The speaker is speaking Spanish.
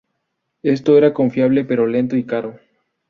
Esto era confiable pero lento y caro.